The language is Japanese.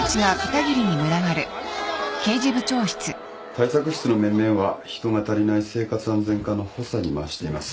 対策室の面々は人が足りない生活安全課の補佐に回しています。